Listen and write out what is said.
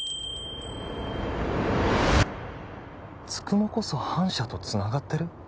九十九こそ反社とつながってる？